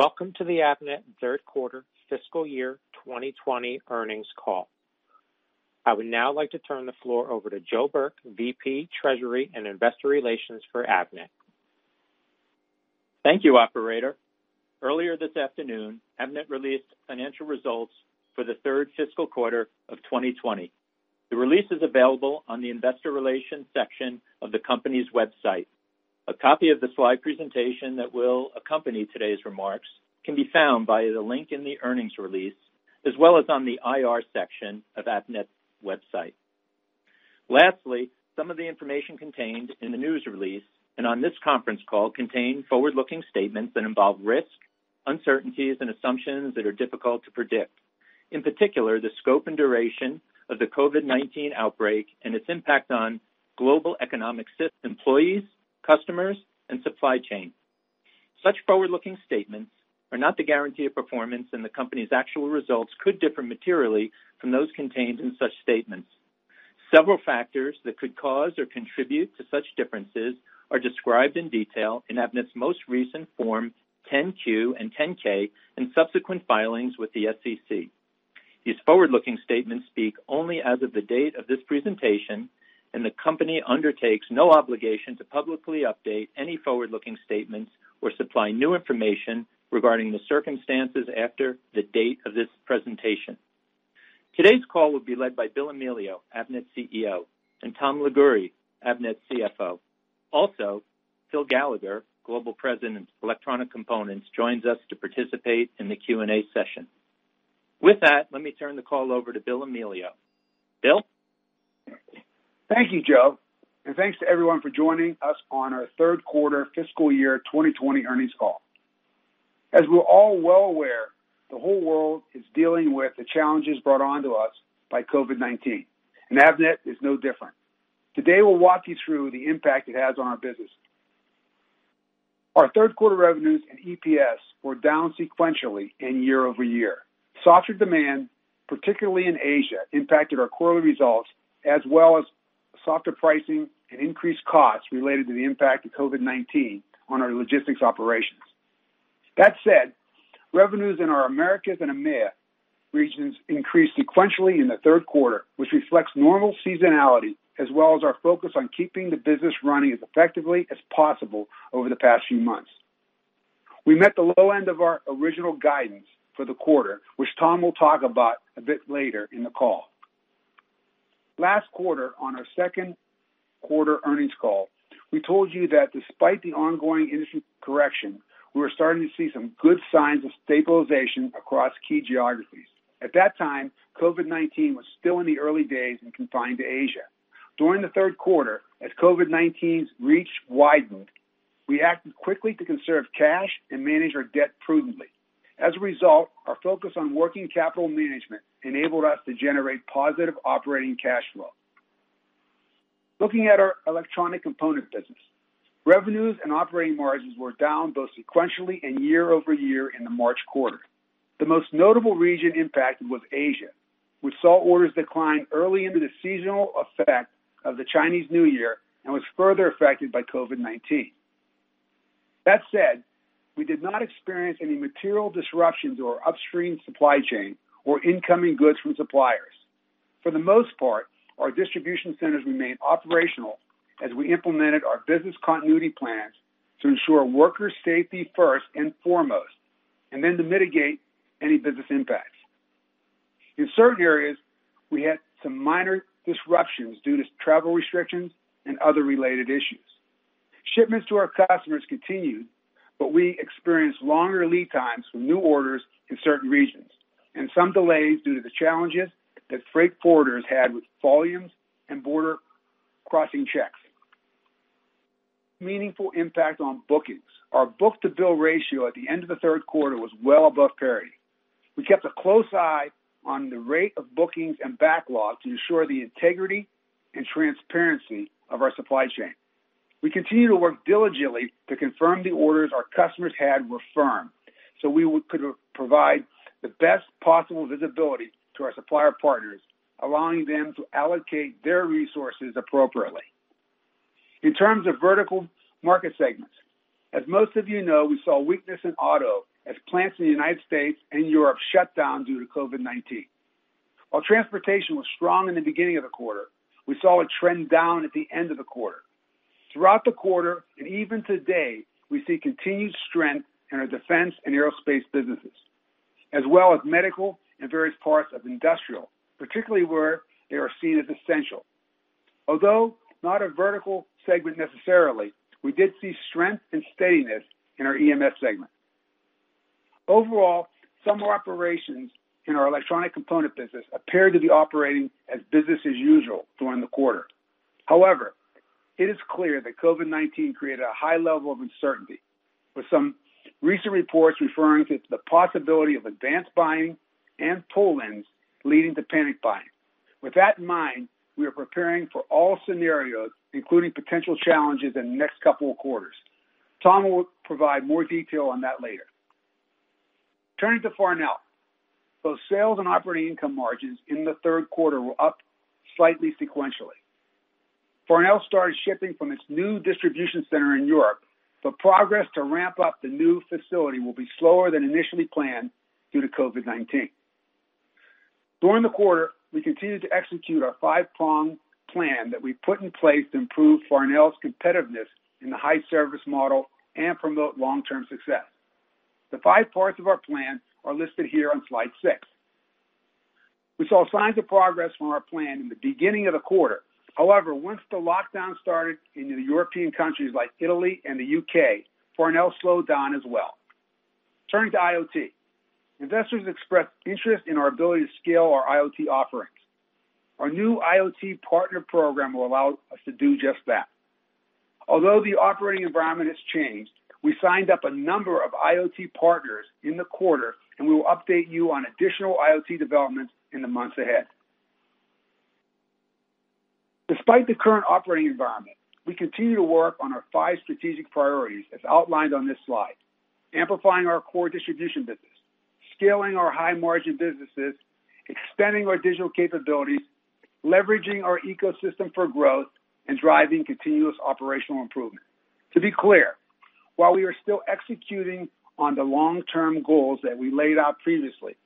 Welcome to the Avnet third quarter fiscal year 2020 earnings call. I would now like to turn the floor over to Joe Burke, VP, Treasury and Investor Relations for Avnet. Thank you, operator. Earlier this afternoon, Avnet released financial results for the third fiscal quarter of 2020. The release is available on the investor relations section of the company's website. A copy of the slide presentation that will accompany today's remarks can be found via the link in the earnings release, as well as on the IR section of Avnet's website. Lastly, some of the information contained in the news release and on this conference call contain forward-looking statements that involve risks, uncertainties, and assumptions that are difficult to predict. In particular, the scope and duration of the COVID-19 outbreak and its impact on global economic employees, customers, and supply chain. Such forward-looking statements are not the guarantee of performance, and the company's actual results could differ materially from those contained in such statements. Several factors that could cause or contribute to such differences are described in detail in Avnet's most recent Form 10-Q and 10-K, and subsequent filings with the SEC. These forward-looking statements speak only as of the date of this presentation, and the company undertakes no obligation to publicly update any forward-looking statements or supply new information regarding the circumstances after the date of this presentation. Today's call will be led by Bill Amelio, Avnet's CEO, and Tom Liguori, Avnet's CFO. Also, Phil Gallagher, Global President of electronic components, joins us to participate in the Q&A session. With that, let me turn the call over to Bill Amelio. Bill? Thank you, Joe, and thanks to everyone for joining us on our third quarter fiscal year 2020 earnings call. As we're all well aware, the whole world is dealing with the challenges brought onto us by COVID-19, and Avnet is no different. Today, we'll walk you through the impact it has on our business. Our third quarter revenues and EPS were down sequentially and year-over-year. Softer demand, particularly in Asia, impacted our quarterly results, as well as softer pricing and increased costs related to the impact of COVID-19 on our logistics operations. That said, revenues in our Americas and EMEA regions increased sequentially in the third quarter, which reflects normal seasonality as well as our focus on keeping the business running as effectively as possible over the past few months. We met the low end of our original guidance for the quarter, which Tom will talk about a bit later in the call. Last quarter, on our second quarter earnings call, we told you that despite the ongoing industry correction, we were starting to see some good signs of stabilization across key geographies. At that time, COVID-19 was still in the early days and confined to Asia. During the third quarter, as COVID-19's reach widened, we acted quickly to conserve cash and manage our debt prudently. As a result, our focus on working capital management enabled us to generate positive operating cash flow. Looking at our electronic component business, revenues and operating margins were down both sequentially and year-over-year in the March quarter. The most notable region impacted was Asia. We saw orders decline early into the seasonal effect of the Chinese New Year and was further affected by COVID-19. That said, we did not experience any material disruptions to our upstream supply chain or incoming goods from suppliers. For the most part, our distribution centers remained operational as we implemented our business continuity plans to ensure worker safety first and foremost, and then to mitigate any business impacts. In certain areas, we had some minor disruptions due to travel restrictions and other related issues. Shipments to our customers continued, but we experienced longer lead times for new orders in certain regions, and some delays due to the challenges that freight forwarders had with volumes and border crossing checks. Meaningful impact on bookings. Our book-to-bill ratio at the end of the third quarter was well above parity. We kept a close eye on the rate of bookings and backlogs to ensure the integrity and transparency of our supply chain. We continue to work diligently to confirm the orders our customers had were firm, so we could provide the best possible visibility to our supplier partners, allowing them to allocate their resources appropriately. In terms of vertical market segments, as most of you know, we saw weakness in auto as plants in the United States and Europe shut down due to COVID-19. While transportation was strong in the beginning of the quarter, we saw a trend down at the end of the quarter. Throughout the quarter, and even today, we see continued strength in our defense and aerospace businesses, as well as medical and various parts of industrial, particularly where they are seen as essential. Although not a vertical segment necessarily, we did see strength and steadiness in our EMS segment. Overall, some operations in our electronic component business appeared to be operating as business as usual during the quarter. However, it is clear that COVID-19 created a high level of uncertainty, with some recent reports referring to the possibility of advanced buying and pull-ins leading to panic buying. With that in mind, we are preparing for all scenarios, including potential challenges in the next couple of quarters. Tom will provide more detail on that later. Turning to Farnell. Both sales and operating income margins in the third quarter were up slightly sequentially. Farnell started shipping from its new distribution center in Europe, but progress to ramp-up the new facility will be slower than initially planned due to COVID-19. During the quarter, we continued to execute our five-prong plan that we put in place to improve Farnell's competitiveness in the high service model and promote long-term success. The five parts of our plan are listed here on slide six. We saw signs of progress from our plan in the beginning of the quarter. Once the lockdown started in the European countries like Italy and the U.K., Farnell slowed down as well. Turning to IoT. Investors expressed interest in our ability to scale our IoT offerings. Our new IoT partner program will allow us to do just that. Although the operating environment has changed, we signed up a number of IoT partners in the quarter, and we will update you on additional IoT developments in the months ahead. Despite the current operating environment, we continue to work on our five strategic priorities as outlined on this slide. Amplifying our core distribution business, scaling our high-margin businesses, expanding our digital capabilities, leveraging our ecosystem for growth, and driving continuous operational improvement. To be clear, while we are still executing on the long-term goals that we laid out previously,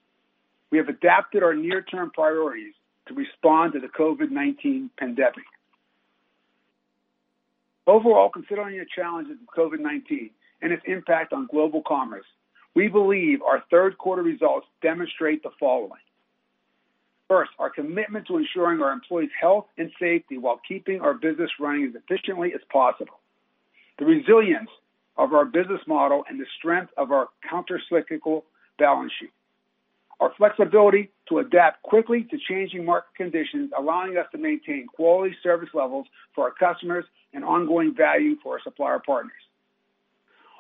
we have adapted our near-term priorities to respond to the COVID-19 pandemic. Overall, considering the challenges of COVID-19 and its impact on global commerce, we believe our third quarter results demonstrate the following. First, our commitment to ensuring our employees' health and safety while keeping our business running as efficiently as possible. The resilience of our business model and the strength of our countercyclical balance sheet. Our flexibility to adapt quickly to changing market conditions, allowing us to maintain quality service levels for our customers and ongoing value for our supplier partners.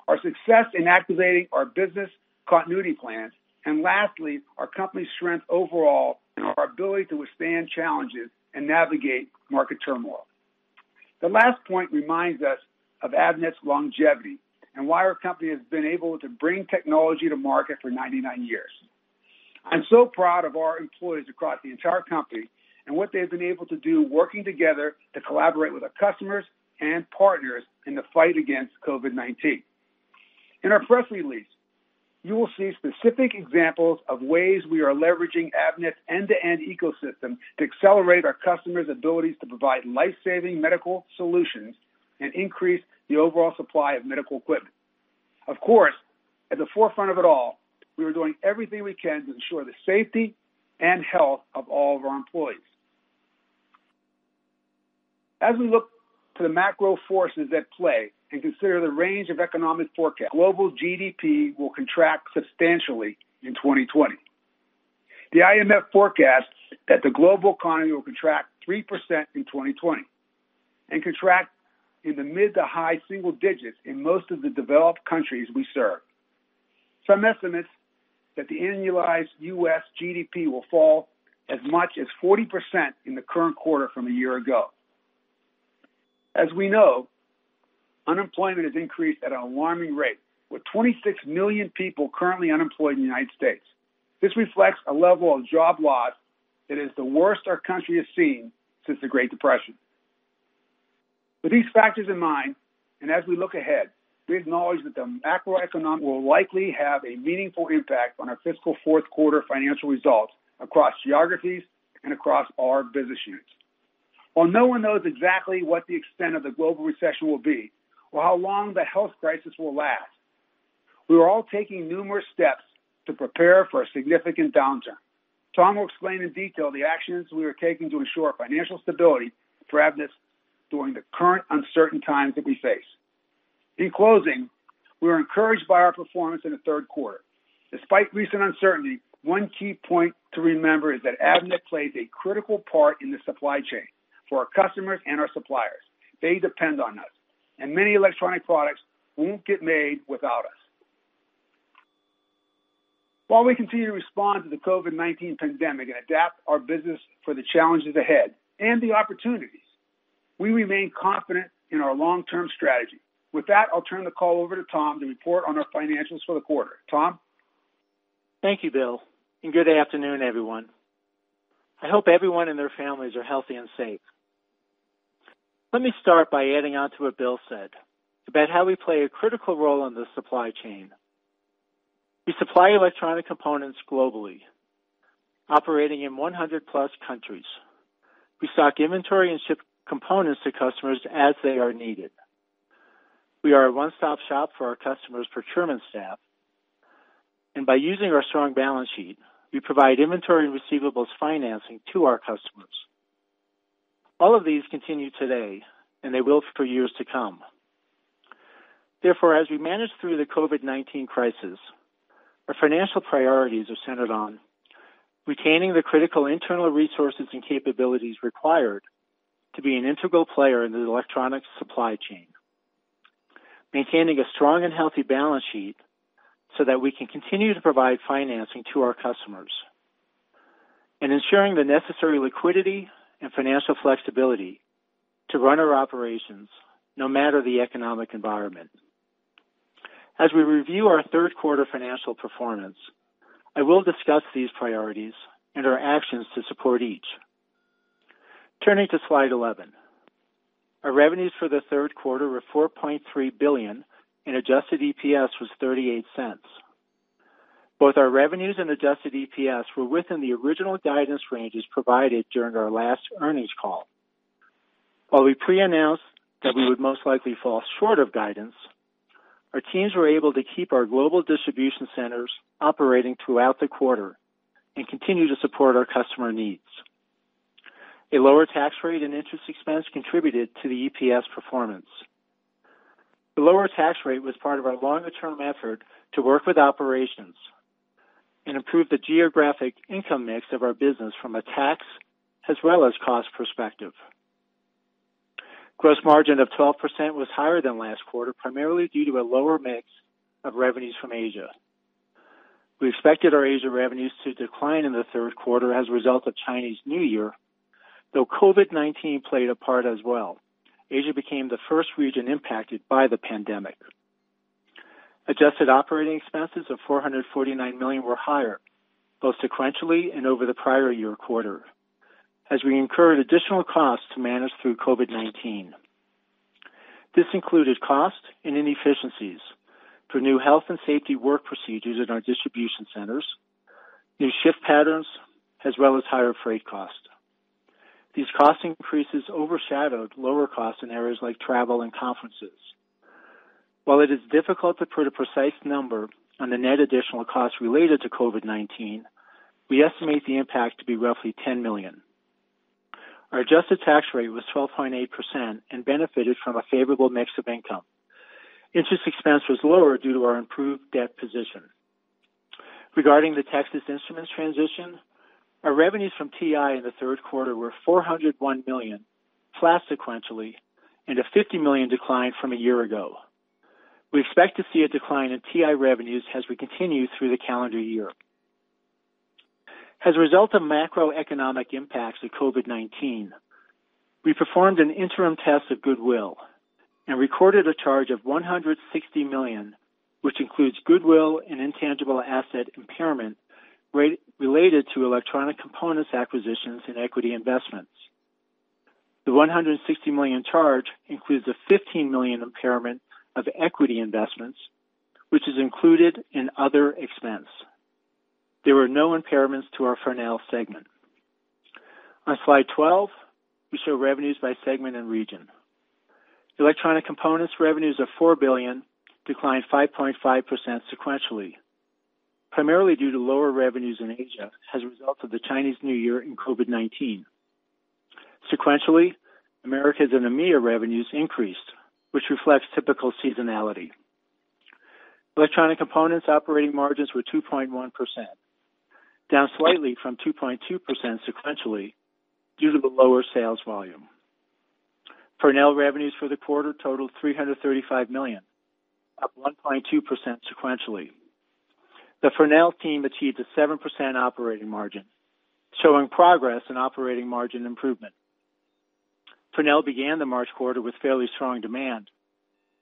Our success in activating our business continuity plans, and lastly, our company's strength overall and our ability to withstand challenges and navigate market turmoil. The last point reminds us of Avnet's longevity and why our company has been able to bring technology to market for 99 years. I'm so proud of our employees across the entire company and what they have been able to do working together to collaborate with our customers and partners in the fight against COVID-19. In our press release, you will see specific examples of ways we are leveraging Avnet's end-to-end ecosystem to accelerate our customers' abilities to provide life-saving medical solutions and increase the overall supply of medical equipment. Of course, at the forefront of it all, we are doing everything we can to ensure the safety and health of all of our employees. As we look to the macro forces at play and consider the range of economic forecast, global GDP will contract substantially in 2020. The IMF forecasts that the global economy will contract 3% in 2020 and contract in the mid to high single-digits in most of the developed countries we serve. Some estimates that the annualized U.S. GDP will fall as much as 40% in the current quarter from a year ago. As we know, unemployment has increased at an alarming rate, with 26 million people currently unemployed in the United States. This reflects a level of job loss that is the worst our country has seen since the Great Depression. With these factors in mind, and as we look ahead, we acknowledge that the macroeconomy will likely have a meaningful impact on our fiscal fourth quarter financial results across geographies and across our business units. While no one knows exactly what the extent of the global recession will be or how long the health crisis will last, we are all taking numerous steps to prepare for a significant downturn. Tom will explain in detail the actions we are taking to ensure financial stability throughout this during the current uncertain times that we face. In closing, we are encouraged by our performance in the third quarter. Despite recent uncertainty, one key point to remember is that Avnet plays a critical part in the supply chain for our customers and our suppliers. They depend on us, and many electronic products won't get made without us. While we continue to respond to the COVID-19 pandemic and adapt our business for the challenges ahead and the opportunities, we remain confident in our long-term strategy. With that, I'll turn the call over to Tom to report on our financials for the quarter. Tom? Thank you, Bill, and good afternoon, everyone. I hope everyone and their families are healthy and safe. Let me start by adding on to what Bill said about how we play a critical role in the supply chain. We supply electronic components globally, operating in 100+ countries. We stock inventory and ship components to customers as they are needed. We are a one-stop shop for our customers' procurement staff, and by using our strong balance sheet, we provide inventory and receivables financing to our customers. All of these continue today, and they will for years to come. Therefore, as we manage through the COVID-19 crisis, our financial priorities are centered on retaining the critical internal resources and capabilities required to be an integral player in the electronics supply chain. Maintaining a strong and healthy balance sheet so that we can continue to provide financing to our customers. Ensuring the necessary liquidity and financial flexibility to run our operations, no matter the economic environment. As we review our third quarter financial performance, I will discuss these priorities and our actions to support each. Turning to slide 11. Our revenues for the third quarter were $4.3 billion and adjusted EPS was $0.38. Both our revenues and adjusted EPS were within the original guidance ranges provided during our last earnings call. While we pre-announced that we would most likely fall short of guidance, our teams were able to keep our global distribution centers operating throughout the quarter and continue to support our customer needs. A lower tax rate and interest expense contributed to the EPS performance. The lower tax rate was part of our longer-term effort to work with operations and improve the geographic income mix of our business from a tax as well as cost perspective. Gross margin of 12% was higher than last quarter, primarily due to a lower mix of revenues from Asia. We expected our Asia revenues to decline in the third quarter as a result of Chinese New Year, though COVID-19 played a part as well. Asia became the first region impacted by the pandemic. Adjusted operating expenses of $449 million were higher, both sequentially and over the prior year quarter, as we incurred additional costs to manage through COVID-19. This included cost and inefficiencies for new health and safety work procedures in our distribution centers, new shift patterns, as well as higher freight cost. These cost increases overshadowed lower costs in areas like travel and conferences. While it is difficult to put a precise number on the net additional cost related to COVID-19, we estimate the impact to be roughly $10 million. Our adjusted tax rate was 12.8% and benefited from a favorable mix of income. Interest expense was lower due to our improved debt position. Regarding the Texas Instruments transition, our revenues from TI in the third quarter were $401 million, flat sequentially, and a $50 million decline from a year ago. We expect to see a decline in TI revenues as we continue through the calendar year. As a result of macroeconomic impacts of COVID-19, we performed an interim test of goodwill and recorded a charge of $160 million, which includes goodwill and intangible asset impairment related to electronic components acquisitions and equity investments. The $160 million charge includes a $15 million impairment of equity investments, which is included in other expense. There were no impairments to our Farnell segment. On slide 12, we show revenues by segment and region. Electronic components revenues of $4 billion declined 5.5% sequentially, primarily due to lower revenues in Asia as a result of the Chinese New Year and COVID-19. Sequentially, Americas and EMEA revenues increased, which reflects typical seasonality. Electronic components operating margins were 2.1%, down slightly from 2.2% sequentially due to the lower sales volume. Farnell revenues for the quarter totaled $335 million, up 1.2% sequentially. The Farnell team achieved a 7% operating margin, showing progress in operating margin improvement. Farnell began the March quarter with fairly strong demand,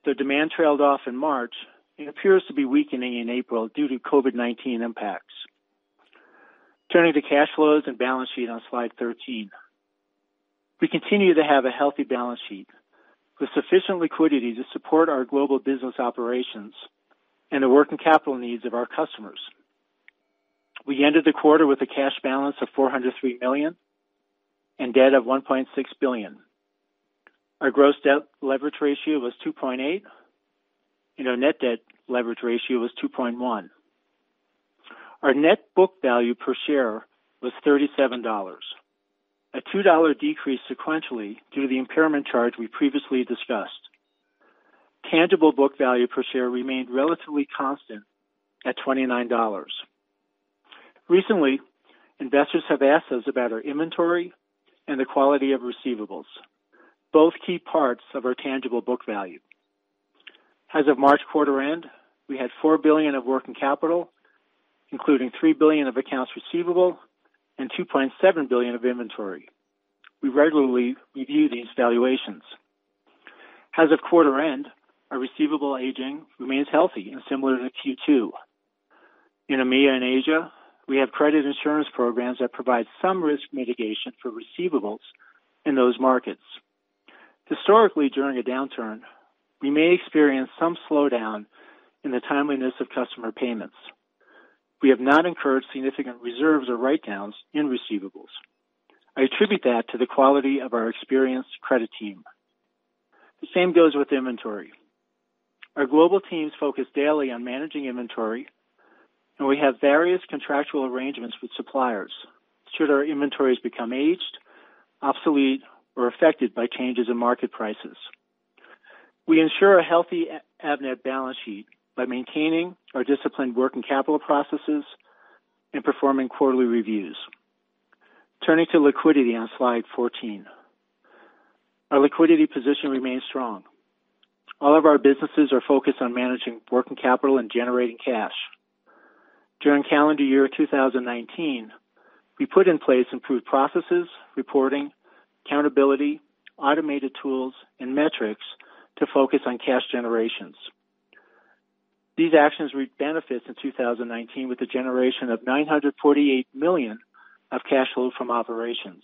though demand trailed off in March and appears to be weakening in April due to COVID-19 impacts. Turning to cash flows and balance sheet on slide 13. We continue to have a healthy balance sheet with sufficient liquidity to support our global business operations and the working capital needs of our customers. We ended the quarter with a cash balance of $403 million and debt of $1.6 billion. Our gross debt leverage ratio was 2.8, and our net debt leverage ratio was 2.1. Our net book value per share was $37, a $2 decrease sequentially due to the impairment charge we previously discussed. Tangible book value per share remained relatively constant at $29. Recently, investors have asked us about our inventory and the quality of receivables, both key parts of our tangible book value. As of March quarter end, we had $4 billion of working capital, including $3 billion of accounts receivable and $2.7 billion of inventory. We regularly review these valuations. As of quarter end, our receivable aging remains healthy and similar to Q2. In EMEA and Asia, we have credit insurance programs that provide some risk mitigation for receivables in those markets. Historically, during a downturn, we may experience some slowdown in the timeliness of customer payments. We have not incurred significant reserves or write-downs in receivables. I attribute that to the quality of our experienced credit team. The same goes with inventory. Our global teams focus daily on managing inventory, and we have various contractual arrangements with suppliers should our inventories become aged, obsolete, or affected by changes in market prices. We ensure a healthy Avnet balance sheet by maintaining our disciplined working capital processes and performing quarterly reviews. Turning to liquidity on slide 14. Our liquidity position remains strong. All of our businesses are focused on managing working capital and generating cash. During calendar year 2019, we put in place improved processes, reporting, accountability, automated tools, and metrics to focus on cash generations. These actions reaped benefits in 2019 with a generation of $948 million of cash flow from operations.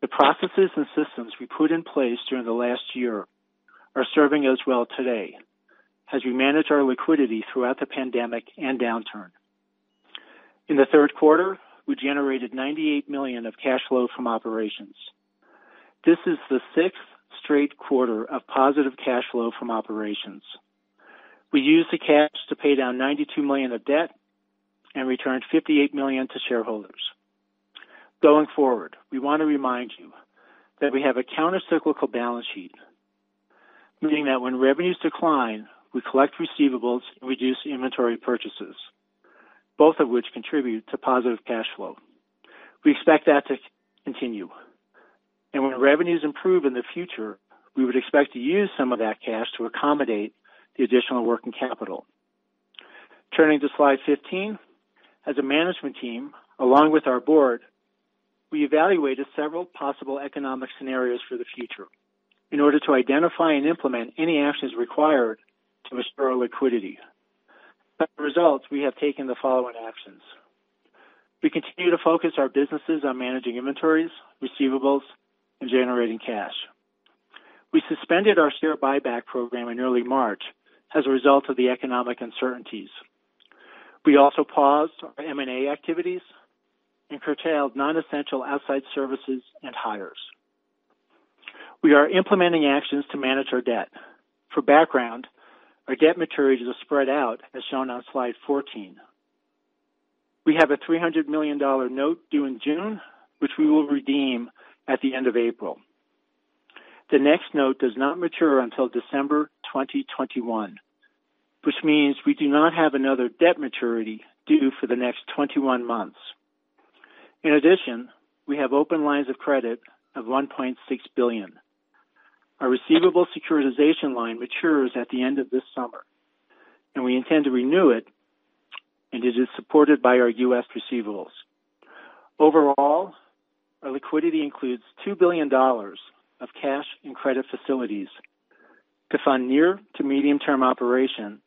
The processes and systems we put in place during the last year are serving us well today as we manage our liquidity throughout the pandemic and downturn. In the third quarter, we generated $98 million of cash flow from operations. This is the sixth straight quarter of positive cash flow from operations. We used the cash to pay down $92 million of debt and returned $58 million to shareholders. Going forward, we want to remind you that we have a counter-cyclical balance sheet, meaning that when revenues decline, we collect receivables and reduce inventory purchases, both of which contribute to positive cash flow. We expect that to continue. When revenues improve in the future, we would expect to use some of that cash to accommodate the additional working capital. Turning to slide 15, as a management team, along with our board, we evaluated several possible economic scenarios for the future in order to identify and implement any actions required to restore liquidity. As a result, we have taken the following actions. We continue to focus our businesses on managing inventories, receivables, and generating cash. We suspended our share buyback program in early March as a result of the economic uncertainties. We also paused our M&A activities and curtailed non-essential outside services and hires. We are implementing actions to manage our debt. For background, our debt maturities are spread out as shown on slide 14. We have a $300 million note due in June, which we will redeem at the end of April. The next note does not mature until December 2021, which means we do not have another debt maturity due for the next 21 months. We have open lines of credit of $1.6 billion. Our receivable securitization line matures at the end of this summer, and we intend to renew it, and it is supported by our U.S. receivables. Overall, our liquidity includes $2 billion of cash and credit facilities to fund near to medium-term operation,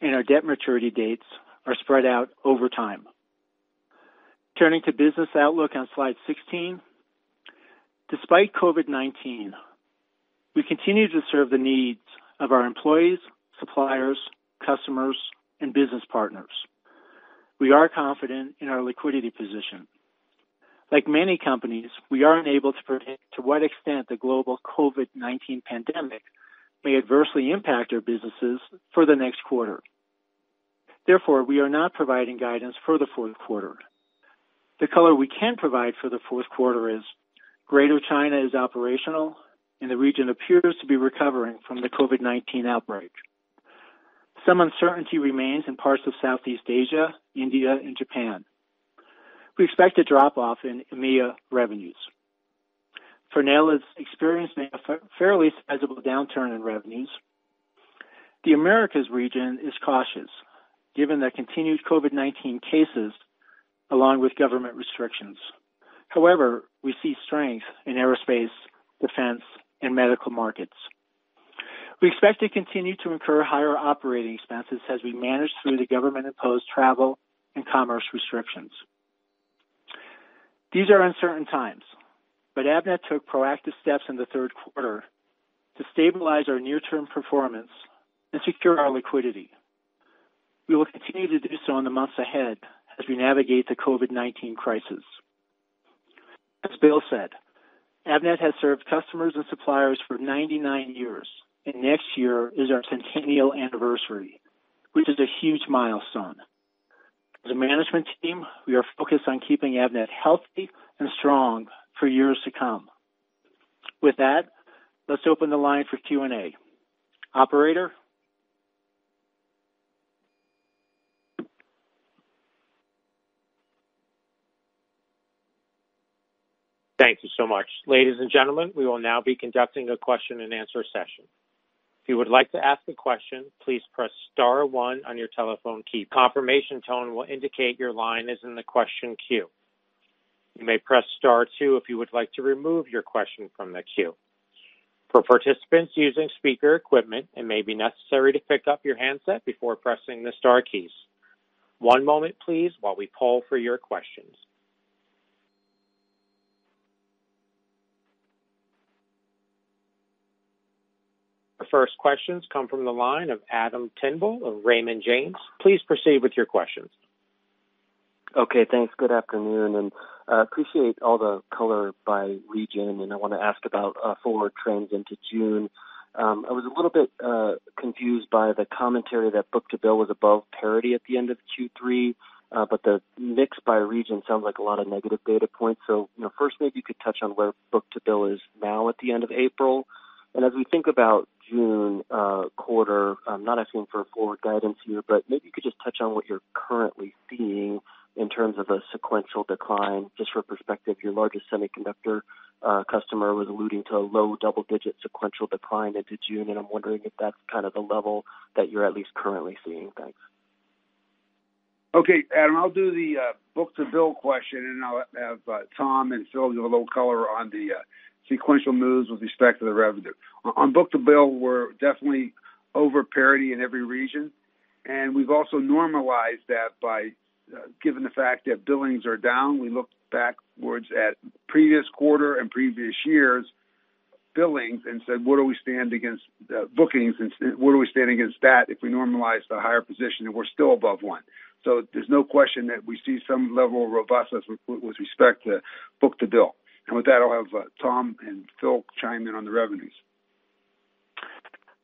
and our debt maturity dates are spread out over time. Turning to business outlook on slide 16. Despite COVID-19, we continue to serve the needs of our employees, suppliers, customers, and business partners. We are confident in our liquidity position. Like many companies, we aren't able to predict to what extent the global COVID-19 pandemic may adversely impact our businesses for the next quarter. Therefore, we are not providing guidance for the fourth quarter. The color we can provide for the fourth quarter is Greater China is operational, and the region appears to be recovering from the COVID-19 outbreak. Some uncertainty remains in parts of Southeast Asia, India, and Japan. We expect a drop-off in EMEA revenues. Farnell has experienced a fairly sizable downturn in revenues. The Americas region is cautious given the continued COVID-19 cases along with government restrictions. We see strength in aerospace, defense, and medical markets. We expect to continue to incur higher operating expenses as we manage through the government-imposed travel and commerce restrictions. Avnet took proactive steps in the third quarter to stabilize our near-term performance and secure our liquidity. We will continue to do so in the months ahead as we navigate the COVID-19 crisis. As Bill said, Avnet has served customers and suppliers for 99 years, and next year is our centennial anniversary, which is a huge milestone. As a management team, we are focused on keeping Avnet healthy and strong for years to come. With that, let's open the line for Q&A. Operator? Thank you so much. Ladies and gentlemen, we will now be conducting a question-and-answer session. If you would like to ask a question, please press star one on your telephone key. Confirmation tone will indicate your line is in the question queue. You may press star two if you would like to remove your question from the queue. For participants using speaker equipment, it may be necessary to pick up your handset before pressing the star keys. One moment, please, while we poll for your questions. The first questions come from the line of Adam Tindle of Raymond James. Please proceed with your questions. Okay. Thanks. Good afternoon, appreciate all the color by region, I want to ask about forward trends into June. I was a little bit confused by the commentary that book-to-bill was above parity at the end of Q3, the mix by region sounds like a lot of negative data points. First, maybe you could touch on where book-to-bill is now at the end of April. As we think about June quarter, I'm not asking for forward guidance here, maybe you could just touch on what you're currently seeing in terms of a sequential decline. Just for perspective, your largest semiconductor customer was alluding to a low double-digit sequential decline into June, I'm wondering if that's kind of the level that you're at least currently seeing. Thanks. Okay, Adam, I'll do the book-to-bill question, and I'll have Tom and Phil give a little color on the sequential moves with respect to the revenue. On book-to-bill, we're definitely over parity in every region, and we've also normalized that by given the fact that billings are down. We looked backwards at previous quarter and previous years' billings and said, "Where do we stand against bookings? Where do we stand against that if we normalize to a higher position?" We're still above one. There's no question that we see some level of robustness with respect to book-to-bill. With that, I'll have Tom and Phil chime in on the revenues.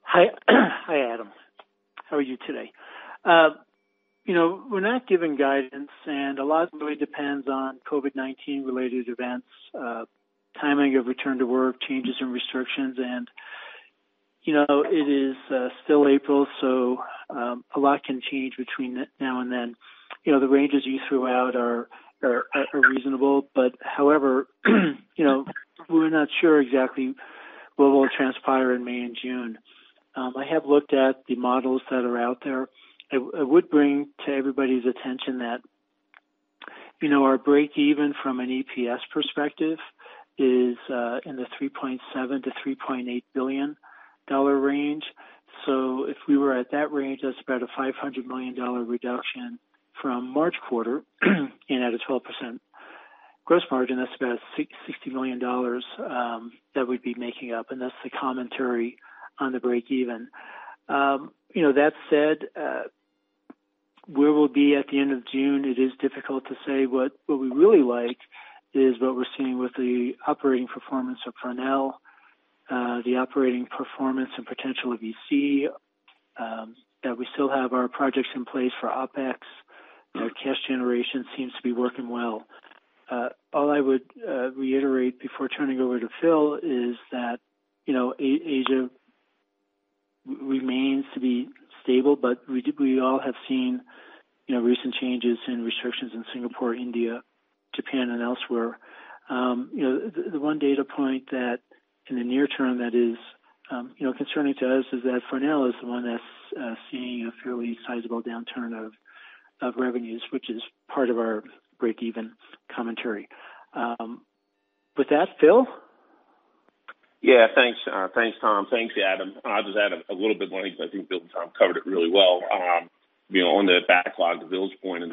Hi, Adam. How are you today? We're not giving guidance, and a lot of it really depends on COVID-19 related events, timing of return to work, changes in restrictions, and it is still April, so a lot can change between now and then. The ranges you threw out are reasonable. However, we're not sure exactly what will transpire in May and June. I have looked at the models that are out there. I would bring to everybody's attention that our breakeven from an EPS perspective is in the $3.7 billion-$3.8 billion range. If we were at that range, that's about a $500 million reduction from March quarter. At a 12% gross margin, that's about $60 million that we'd be making up, and that's the commentary on the breakeven. That said, where we'll be at the end of June, it is difficult to say. What we really like is what we're seeing with the operating performance of Farnell, the operating performance and potential of EC, that we still have our projects in place for OpEx. Our cash generation seems to be working well. All I would reiterate before turning over to Phil is that Asia remains to be stable, but we all have seen recent changes in restrictions in Singapore, India, Japan, and elsewhere. The one data point that in the near-term that is concerning to us is that Farnell is the one that's seeing a fairly sizable downturn of revenues, which is part of our breakeven commentary. With that, Phil? Thanks, Tom. Thanks, Adam. I'll just add a little bit more because I think Bill and Tom covered it really well. On the backlog, Bill's point and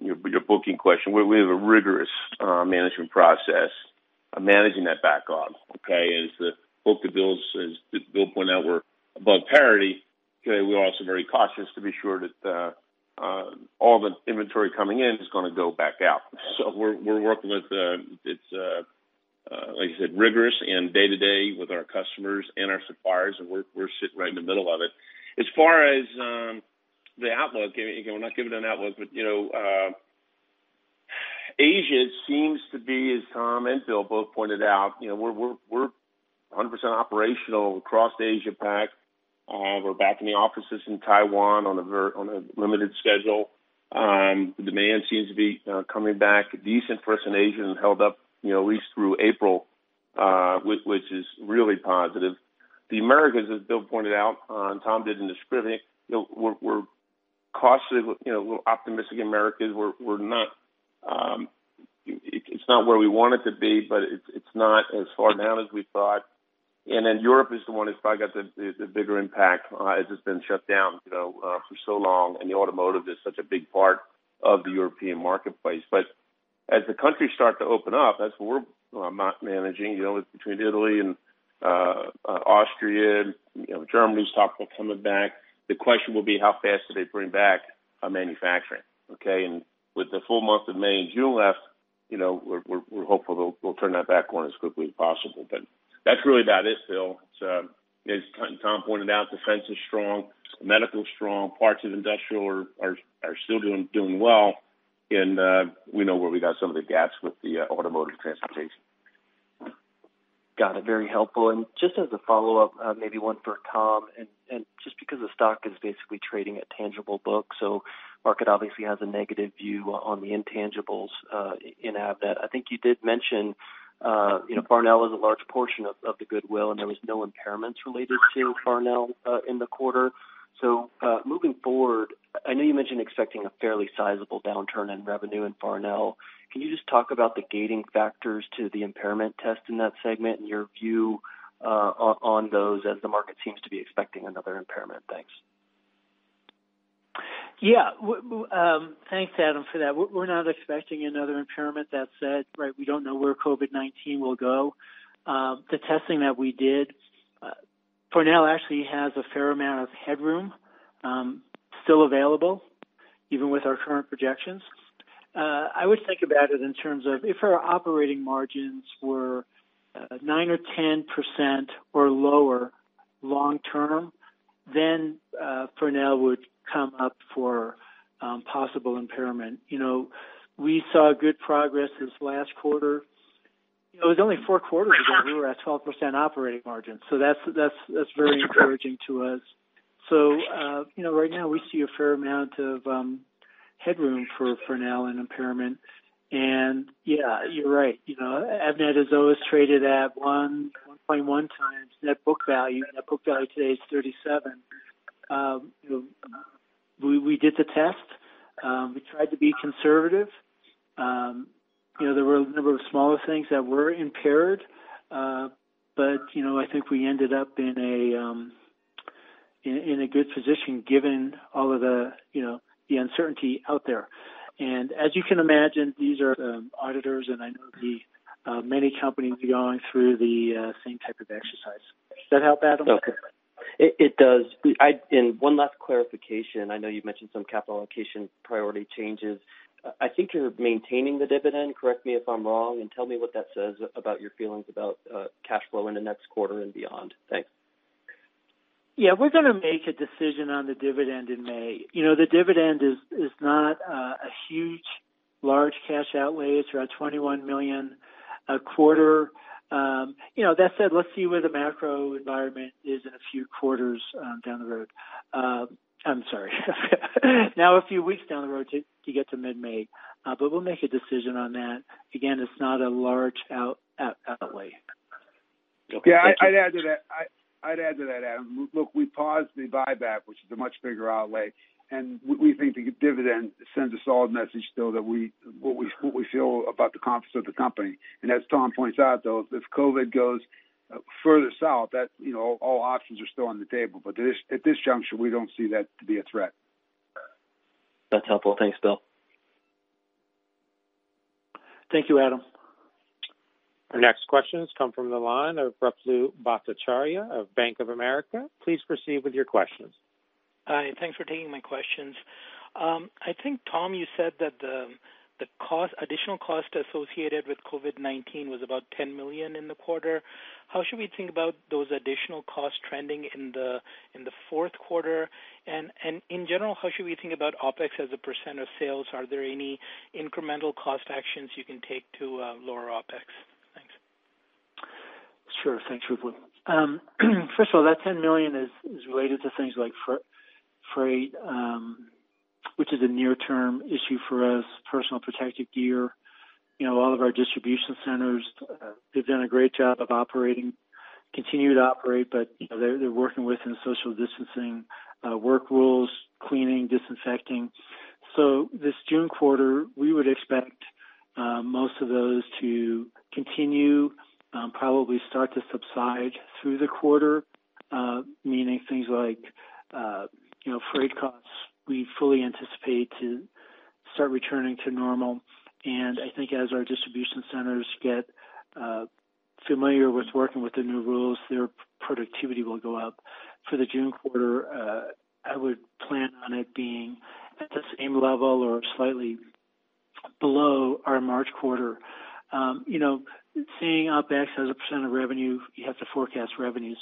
your booking question, we have a rigorous management process of managing that backlog. As the book-to-bill, as Bill pointed out, we're above parity. We're also very cautious to be sure that all the inventory coming in is going to go back out. We're working with, like I said, rigorous and day-to-day with our customers and our suppliers, and we're sitting right in the middle of it. As far as the outlook, we're not giving an outlook. Asia seems to be, as Tom and Bill both pointed out, we're 100% operational across Asia-Pac. We're back in the offices in Taiwan on a limited schedule. The demand seems to be coming back decent for us in Asia and held up at least through April, which is really positive. The Americas, as Bill pointed out, Tom did in describing, we're cautiously a little optimistic in the Americas. It's not where we want it to be, but it's not as far down as we thought. Europe is the one that's probably got the bigger impact as it's been shut down for so long, and the automotive is such a big part of the European marketplace. As the countries start to open up, that's what we're managing. Between Italy and Austria, Germany's talking coming back. The question will be how fast do they bring back manufacturing? Okay. With the full month of May and June left, we're hopeful they'll turn that back on as quickly as possible. That's really about it, Phil. As Tom pointed out, defense is strong, medical is strong. Parts of industrial are still doing well. We know where we got some of the gaps with the automotive and transportation. Got it. Very helpful. Just as a follow-up, maybe one for Tom, just because the stock is basically trading at tangible book, market obviously has a negative view on the intangibles in Avnet. I think you did mention Farnell has a large portion of the goodwill, there was no impairments related to Farnell in the quarter. Moving forward, I know you mentioned expecting a fairly sizable downturn in revenue in Farnell. Can you just talk about the gating factors to the impairment test in that segment and your view on those as the market seems to be expecting another impairment? Thanks. Yeah. Thanks, Adam, for that. We're not expecting another impairment. That said, we don't know where COVID-19 will go. The testing that we did, Farnell actually has a fair amount of headroom still available even with our current projections. I always think about it in terms of if our operating margins were 9% or 10% or lower long-term, Farnell would come up for possible impairment. We saw good progress this last quarter. It was only four quarters ago we were at 12% operating margin, that's very encouraging to us. Right now we see a fair amount of headroom for Farnell in impairment. Yeah, you're right. Avnet has always traded at 1.1x net book value. Net book value today is $37. We did the test. We tried to be conservative. There were a number of smaller things that were impaired. I think we ended up in a good position given all of the uncertainty out there. As you can imagine, these are auditors, and I know many companies are going through the same type of exercise. Does that help, Adam? Okay. It does. One last clarification. I know you've mentioned some capital allocation priority changes. I think you're maintaining the dividend, correct me if I'm wrong, and tell me what that says about your feelings about cash flow in the next quarter and beyond. Thanks. We're going to make a decision on the dividend in May. The dividend is not a huge large cash outlay. It's around $21 million a quarter. That said, let's see where the macro environment is in a few quarters down the road. I'm sorry. Now a few weeks down the road to get to mid-May. We'll make a decision on that. Again, it's not a large outlay. Okay. Thank you. Yeah, I'd add to that, Adam. Look, we paused the buyback, which is a much bigger outlay, and we think the dividend sends a solid message still that what we feel about the confidence of the company. As Tom points out, though, if COVID goes further south, all options are still on the table. At this juncture, we don't see that to be a threat. That's helpful. Thanks, Bill. Thank you, Adam. Our next questions come from the line of Ruplu Bhattacharya of Bank of America. Please proceed with your questions. Hi, and thanks for taking my questions. I think, Tom, you said that the additional cost associated with COVID-19 was about $10 million in the quarter. How should we think about those additional costs trending in the fourth quarter? In general, how should we think about OpEx as a percent of sales? Are there any incremental cost actions you can take to lower OpEx? Thanks. Sure. Thanks, Ruplu. First of all, that $10 million is related to things like freight, which is a near-term issue for us. Personal protective gear. All of our distribution centers, they've done a great job of operating, continue to operate, but they're working within social distancing work rules, cleaning, disinfecting. This June quarter, we would expect most of those to continue, probably start to subside through the quarter. Meaning things like freight costs we fully anticipate to start returning to normal. I think as our distribution centers get familiar with working with the new rules, their productivity will go up. For the June quarter, I would plan on it being at the same level or slightly below our March quarter. Seeing OpEx as a percent of revenue, you have to forecast revenue.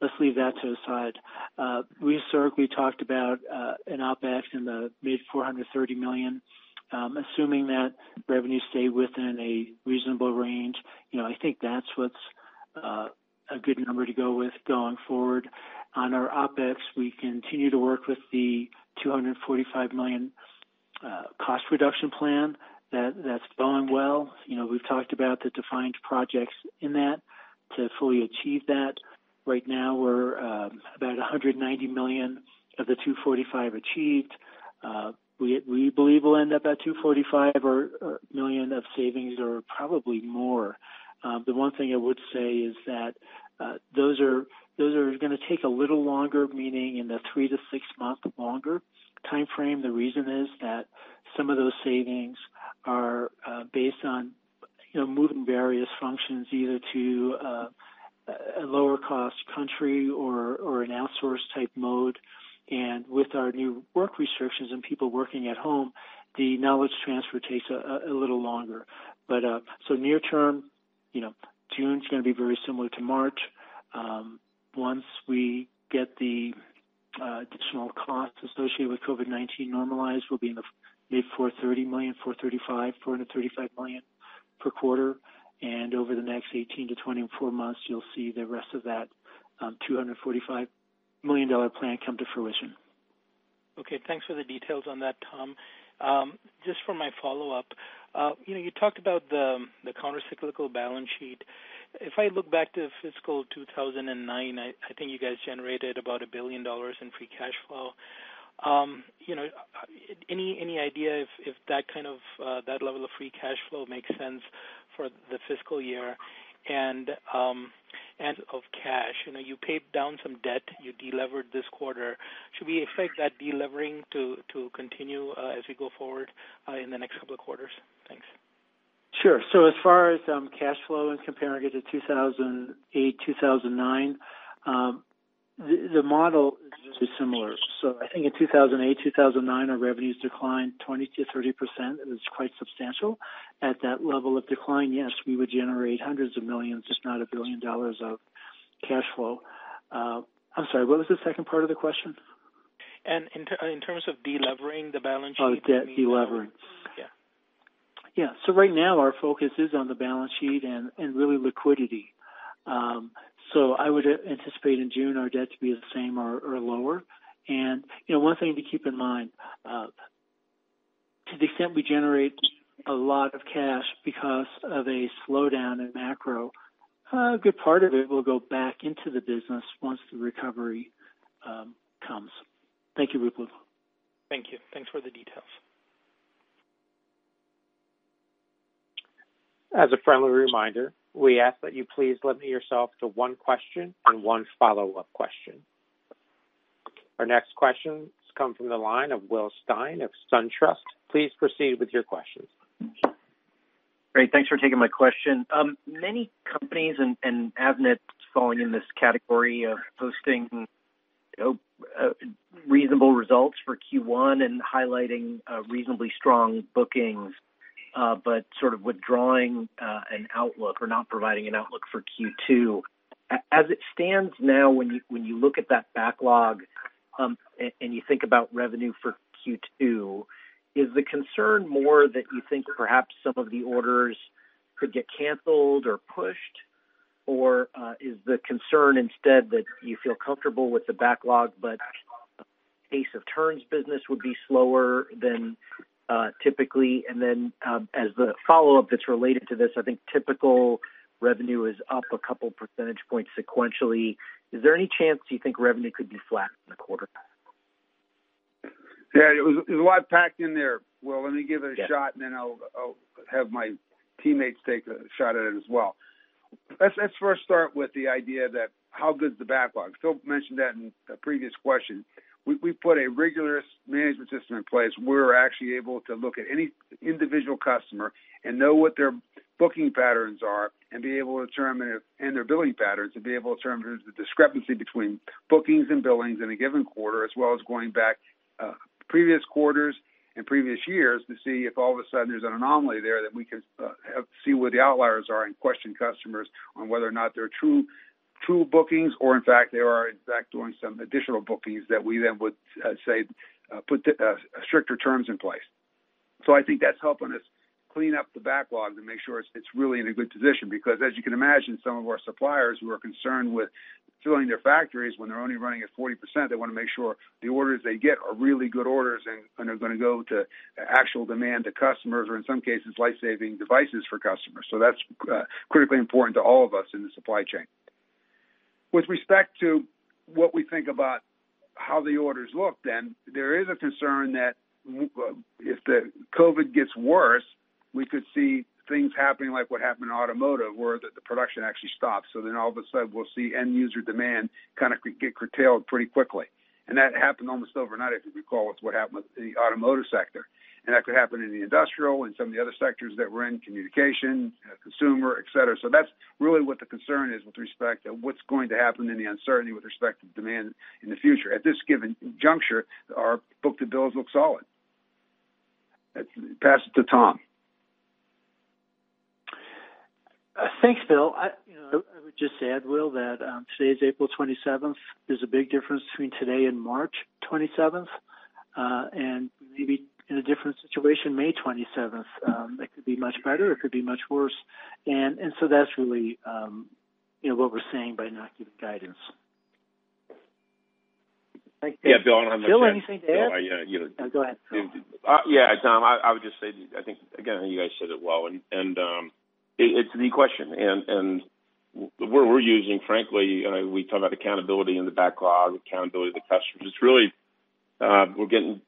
Let's leave that to the side. We historically talked about an OpEx in the mid $430 million. Assuming that revenues stay within a reasonable range, I think that's what's a good number to go with going forward. On our OpEx, we continue to work with the $245 million cost reduction plan. That's going well. We've talked about the defined projects in that to fully achieve that. Right now, we're about $190 million of the $245 achieved. We believe we'll end up at $245 million of savings or probably more. The one thing I would say is that those are going to take a little longer, meaning in the three to six month longer timeframe. The reason is that some of those savings are based on moving various functions either to a lower cost country or an outsource type mode. With our new work restrictions and people working at home, the knowledge transfer takes a little longer. Nea- term, June's going to be very similar to March. Once we get the additional costs associated with COVID-19 normalized, we'll be in the mid $430 million-$435 million per quarter. Over the next 18-24 months, you'll see the rest of that $245 million plan come to fruition. Okay, thanks for the details on that, Tom. Just for my follow-up, you talked about the countercyclical balance sheet. If I look back to fiscal 2009, I think you guys generated about $1 billion in free cash flow. Any idea if that level of free cash flow makes sense for the fiscal year? Of cash, you paid down some debt, you delevered this quarter. Should we expect that delevering to continue as we go forward in the next couple of quarters? Thanks. Sure. As far as cash flow and comparing it to 2008, 2009, the model is similar. I think in 2008, 2009, our revenues declined 20%-30%, it was quite substantial. At that level of decline, yes, we would generate hundreds of millions, if not $1 billion of cash flow. I'm sorry, what was the second part of the question? In terms of delevering the balance sheet. Oh, debt delevering. Yeah. Yeah. Right now, our focus is on the balance sheet and really liquidity. I would anticipate in June our debt to be the same or lower. One thing to keep in mind. To the extent we generate a lot of cash because of a slowdown in macro, a good part of it will go back into the business once the recovery comes. Thank you, Ruplu. Thank you. Thanks for the details. As a friendly reminder, we ask that you please limit yourself to one question and one follow-up question. Our next question comes from the line of Will Stein of SunTrust. Please proceed with your questions. Great. Thanks for taking my question. Many companies, and Avnet's falling in this category of posting reasonable results for Q1 and highlighting reasonably strong bookings, but sort of withdrawing an outlook or not providing an outlook for Q2. As it stands now, when you look at that backlog, and you think about revenue for Q2, is the concern more that you think perhaps some of the orders could get canceled or pushed? Is the concern instead that you feel comfortable with the backlog, but pace of turns business would be slower than typically? As the follow-up that's related to this, I think typical revenue is up a couple percentage points sequentially. Is there any chance you think revenue could be flat in the quarter? Yeah, it was a lot packed in there. Will, let me give it a shot. Yeah I'll have my teammates take a shot at it as well. Let's first start with the idea that how good is the backlog. Phil mentioned that in a previous question. We put a rigorous management system in place. We're actually able to look at any individual customer and know what their booking patterns are and their billing patterns, and be able to determine if there's a discrepancy between bookings and billings in a given quarter as well as going back previous quarters and previous years to see if all of a sudden there's an anomaly there that we can see where the outliers are and question customers on whether or not they're true bookings or in fact they are doing some additional bookings that we then would, say, put stricter terms in place. I think that's helping us clean up the backlog to make sure it's really in a good position. As you can imagine, some of our suppliers who are concerned with filling their factories when they're only running at 40%, they want to make sure the orders they get are really good orders and are going to go to actual demand to customers or in some cases, life-saving devices for customers. That's critically important to all of us in the supply chain. With respect to what we think about how the orders look then, there is a concern that if the COVID gets worse, we could see things happening like what happened in automotive, where the production actually stops. All of a sudden, we'll see end user demand kind of get curtailed pretty quickly. That happened almost overnight, if you recall, with what happened with the automotive sector. That could happen in the industrial and some of the other sectors that we're in, communication, consumer, et cetera. That's really what the concern is with respect to what's going to happen and the uncertainty with respect to demand in the future. At this given juncture, our book-to-bill looks solid. Pass it to Tom. Thanks, Bill. I would just add, Will, that today is April 27th. There's a big difference between today and March 27th. Maybe in a different situation, May 27th. It could be much better, or it could be much worse. That's really what we're saying by not giving guidance. Thanks. Yeah, Phil. Phil, anything to add? Yeah. No, go ahead, Phil. Tom, I would just say, I think, again, you guys said it well, and it's the question. What we're using, frankly, we talk about accountability in the backlog, accountability of the customers. It's really we're getting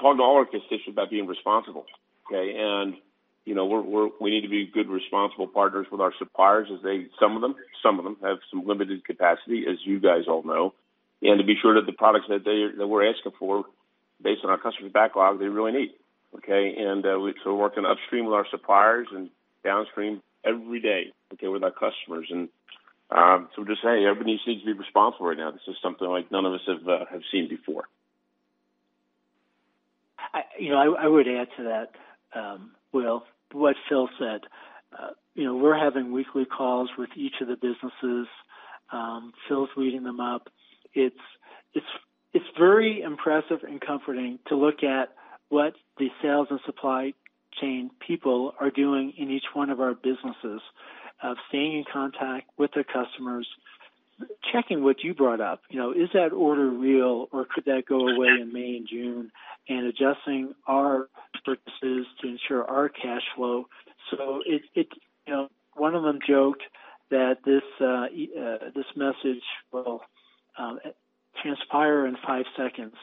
told to all our constituents about being responsible. Okay. We need to be good, responsible partners with our suppliers as some of them have some limited capacity, as you guys all know. To be sure that the products that we're asking for based on our customers' backlog, they really need. Okay. We're working upstream with our suppliers and downstream every day, okay, with our customers. I'm just saying, everybody needs to be responsible right now. This is something like none of us have seen before. I would add to that, Will, what Phil said. We're having weekly calls with each of the businesses. Phil's leading them up. It's very impressive and comforting to look at what the sales and supply chain people are doing in each one of our businesses of staying in contact with their customers, checking what you brought up. Is that order real, or could that go away in May and June? Adjusting our purchases to ensure our cash flow. One of them joked that this message will transpire in five seconds,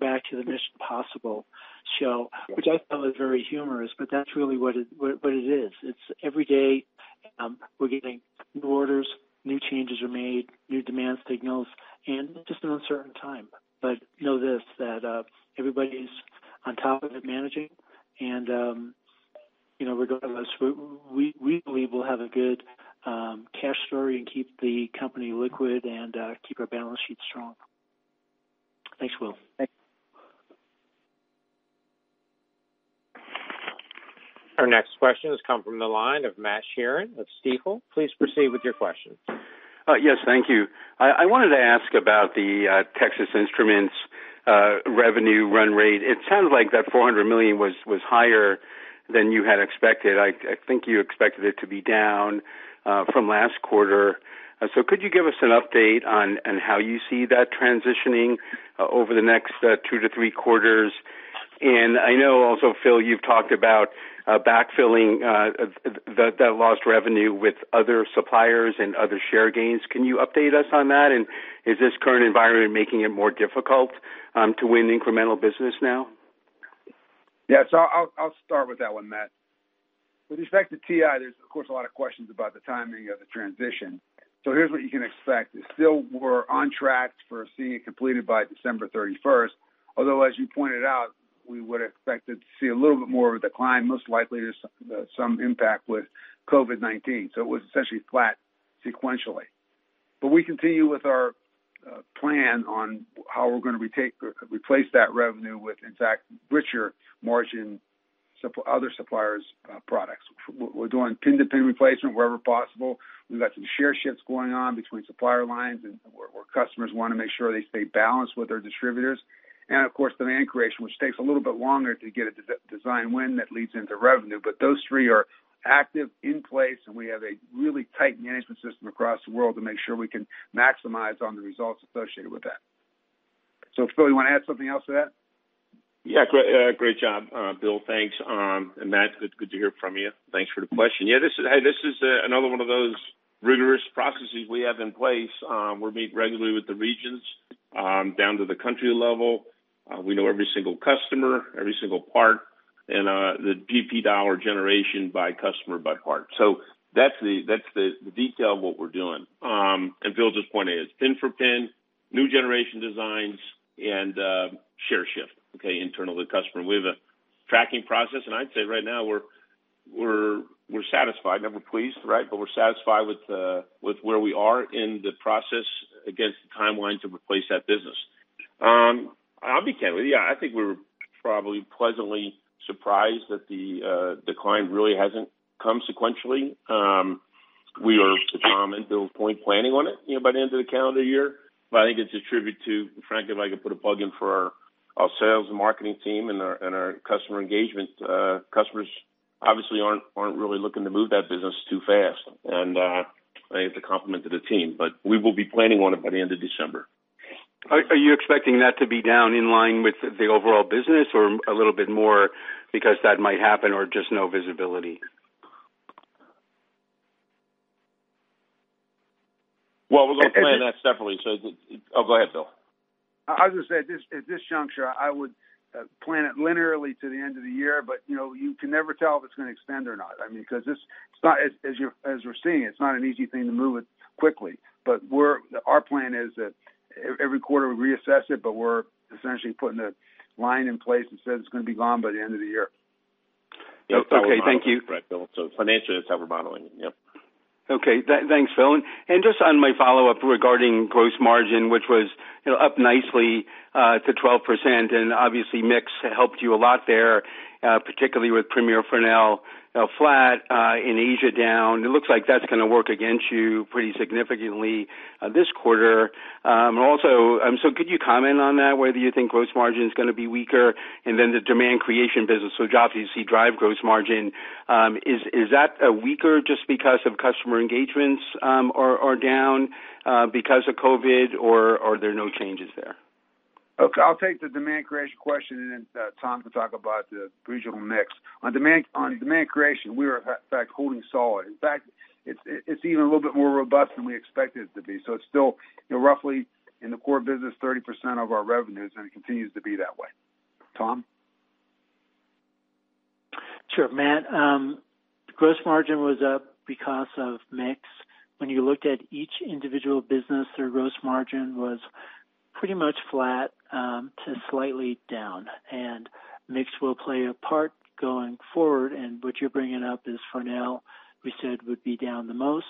back to the "Mission: Impossible" show, which I thought was very humorous, but that's really what it is. It's every day, we're getting new orders, new changes are made, new demand signals, and just an uncertain time. Know this, that everybody's on top of it, managing, and regardless, we believe we'll have a good cash story and keep the company liquid and keep our balance sheet strong. Thanks, Will. Thanks. Our next question has come from the line of Matt Sheerin of Stifel. Please proceed with your question. Yes. Thank you. I wanted to ask about the Texas Instruments revenue run rate. It sounded like that $400 million was higher than you had expected. I think you expected it to be down from last quarter. Could you give us an update on how you see that transitioning over the next two to three quarters? I know also, Phil, you've talked about backfilling that lost revenue with other suppliers and other share gains. Can you update us on that? Is this current environment making it more difficult to win incremental business now? Yeah. I'll start with that one, Matt. With respect to TI, there's, of course, a lot of questions about the timing of the transition. Here's what you can expect, is still we're on track for seeing it completed by December 31st, although, as you pointed out, we would've expected to see a little bit more of a decline, most likely there's some impact with COVID-19. It was essentially flat sequentially. We continue with our plan on how we're going to replace that revenue with, in fact, richer margin other suppliers' products. We're doing pin-to-pin replacement wherever possible. We've got some share shifts going on between supplier lines and where customers want to make sure they stay balanced with their distributors. Of course, demand creation, which takes a little bit longer to get a design win that leads into revenue. Those three are active in place, and we have a really tight management system across the world to make sure we can maximize on the results associated with that. Phil, you want to add something else to that? Yeah. Great job, Bill. Thanks. Matt, good to hear from you. Thanks for the question. Hey, this is another one of those rigorous processes we have in place. We meet regularly with the regions, down to the country level. We know every single customer, every single part, and the GP dollar generation by customer by part. That's the detail of what we're doing. Bill just pointed, it's pin for pin, new generation designs, and share shift, okay, internal to the customer. We have a tracking process, and I'd say right now we're satisfied. Never pleased, right? We're satisfied with where we are in the process against the timeline to replace that business. I'll be candid with you. I think we were probably pleasantly surprised that the decline really hasn't come sequentially. We are, to Tom and Bill's point, planning on it by the end of the calendar year. I think it's a tribute to, frankly, if I could put a plug in for our sales and marketing team and our customer engagement. Customers obviously aren't really looking to move that business too fast, and I think it's a compliment to the team. We will be planning on it by the end of December. Are you expecting that to be down in line with the overall business, or a little bit more because that might happen, or just no visibility? Well, we're going to plan that separately. Oh, go ahead, Bill. I was going to say, at this juncture, I would plan it linearly to the end of the year. You can never tell if it's going to extend or not, because as we're seeing, it's not an easy thing to move it quickly. Our plan is that every quarter we reassess it, but we're essentially putting a line in place that says it's going to be gone by the end of the year. Okay. Thank you. Right, Bill. Financially, that's how we're modeling it. Yep. Okay. Thanks, Phil. Just on my follow-up regarding gross margin, which was up nicely to 12%, and obviously mix helped you a lot there, particularly with Premier Farnell flat, in Asia down. It looks like that's going to work against you pretty significantly this quarter. Could you comment on that, whether you think gross margin is going to be weaker, and then the demand creation business, so jobs you see drive gross margin, is that weaker just because of customer engagements are down because of COVID, or are there no changes there? Okay. I'll take the demand creation question, and then Tom can talk about the regional mix. On demand creation, we are, in fact, holding solid. In fact, it's even a little bit more robust than we expected it to be. It's still roughly in the core business, 30% of our revenues, and it continues to be that way. Tom? Sure, Matt. Gross margin was up because of mix. When you looked at each individual business, their gross margin was pretty much flat to slightly down, and mix will play a part going forward. What you're bringing up is Farnell, we said would be down the most,